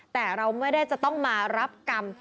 แต่เราไม่ได้จะต้องมารับกรรม